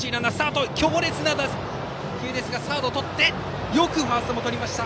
強烈な打球でしたがサード、とってよくファーストもとりました。